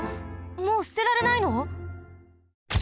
もうすてられないの？